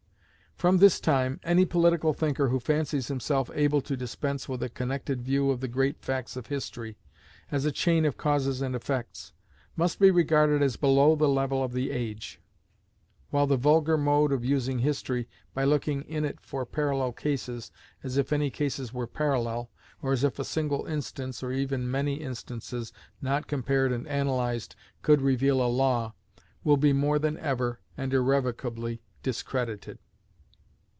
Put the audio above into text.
From this time any political thinker who fancies himself able to dispense with a connected view of the great facts of history, as a chain of causes and effects, must be regarded as below the level of the age; while the vulgar mode of using history, by looking in it for parallel cases, as if any cases were parallel, or as if a single instance, or even many instances not compared and analysed, could reveal a law, will be more than ever, and irrevocably, discredited.